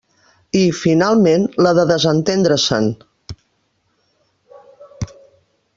I, finalment, la de desentendre-se'n.